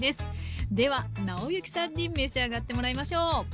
では尚之さんに召し上がってもらいましょう。